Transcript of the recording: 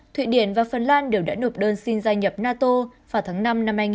thụy điển và phần lan đều đã nộp đơn xin gia nhập nato vào tháng năm năm hai nghìn hai mươi